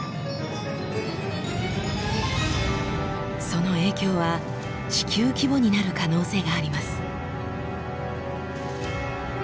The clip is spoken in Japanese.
その影響は地球規模になる可能性があります。